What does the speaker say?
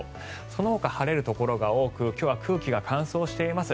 そのほか晴れるところが多く今日は空気が乾燥しています。